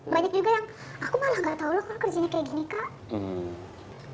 banyak juga yang aku malah nggak tahu loh kalau kerjanya kayak gini kan